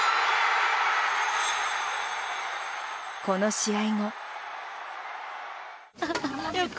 この試合後。